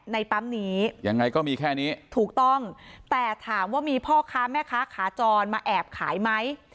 ในปั๊มนี้ยังไงก็มีแค่นี้ถูกต้องแต่ถามว่ามีพ่อค้าแม่ค้าขาจรมาแอบขายไหม